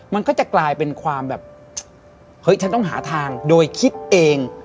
มันก็จะกลายเป็นความแบบเฮ้ยฉันต้องหาทางโดยคิดเอง